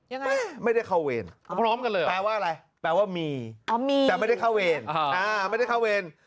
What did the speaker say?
ยังไงไม่ได้เข้าเวรแปลว่าอะไรแต่ว่ามีแต่ไม่ได้เข้าเวร